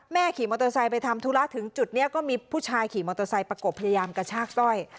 ขี่มอเตอร์ไซค์ไปทำธุระถึงจุดนี้ก็มีผู้ชายขี่มอเตอร์ไซค์ประกบพยายามกระชากสร้อย